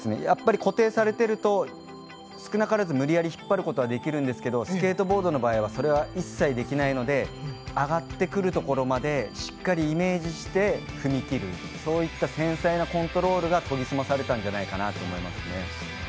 やっぱり固定されていると少なからず無理やり引っ張ることはできるんですがスケートボードの場合それが一切できないので上がってくるところまでしっかりイメージして踏み切るといった繊細なコントロールが研ぎ澄まされたんじゃないかと思います。